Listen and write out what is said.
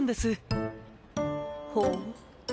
ほう。